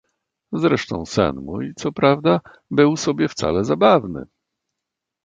"Zresztą sen mój, co prawda, był sobie wcale zabawny!"